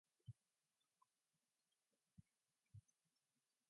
They also announced the departure of guitarist Daniel Droste.